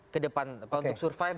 kedepan atau untuk survive